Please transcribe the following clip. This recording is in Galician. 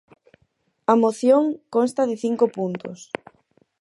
A moción consta de cinco puntos.